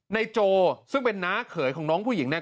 โจซึ่งเป็นน้าเขยของน้องผู้หญิงเนี่ย